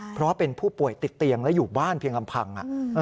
เพราะเป็นผู้ป่วยติดเตียงและอยู่บ้านเพียงลำพัง